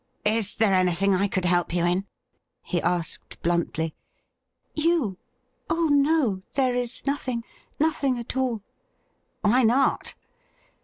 'Is there anything I could help you in?' he asked bluntly. ' You ? Oh no, there is nothing — ^nothing at all.' ' Why not